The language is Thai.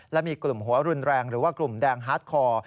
และมีกลุ่มหัวรุนแรงหรือว่ากลุ่มแดงฮาร์ดคอร์